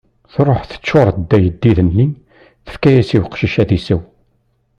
Tṛuḥ, teččuṛ-d ayeddid-nni, tefka-as i uqcic ad isew.